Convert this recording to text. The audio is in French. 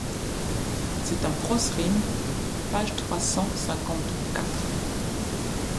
c’est un « frost-rime » pagetrois cent cinquante-quatre.